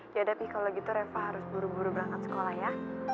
dihadapi kalau gitu reva harus buru buru berangkat sekolah ya